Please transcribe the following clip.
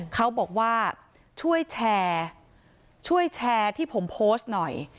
เขาบอกว่าช่วยแชร์ช่วยแชร์ที่ผมโพสต์หน่อย